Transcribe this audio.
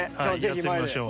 やってみましょう。